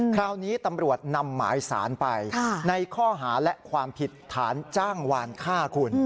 คราวนี้ตำรวจนำหมายสารไปในข้อหาและความผิดฐานจ้างวานฆ่าคุณ